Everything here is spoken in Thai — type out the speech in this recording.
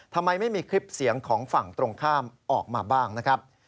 ทำไมไม่มีคลิปเสียงของฝั่งตรงข้ามออกมาบ้างนะครับ